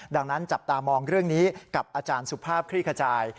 ดังนั้นจับตามองเรื่องนี้กับอาจารย์สุภาพคลี่ขจาย